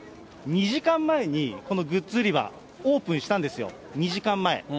２時間前にこのグッズ売り場、オープンしたんですよ、２時間前。